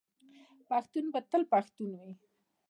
پښتون به تل پښتون وي.